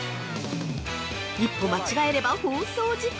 一歩間違えれば放送事故！